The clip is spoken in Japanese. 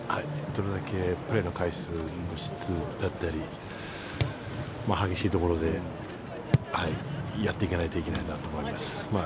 どれだけプレーの回数質だったり激しいところでやっていかないといけないなと思います。